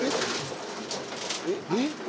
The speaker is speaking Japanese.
えっ？